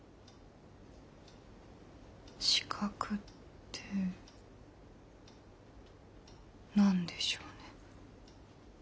資格って何でしょうね。